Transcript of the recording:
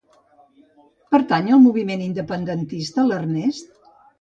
Pertany al moviment independentista l'Ernest?